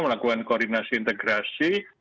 melakukan koordinasi integrasi